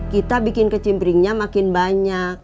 kita bikin kicim pringnya makin banyak